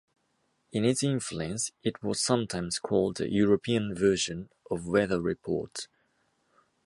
In its influence it was sometimes called the European version of Weather Report.